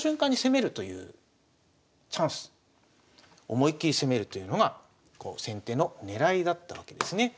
思いっ切り攻めるというのが先手の狙いだったわけですね。